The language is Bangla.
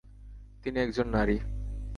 তিনি একজন নারী।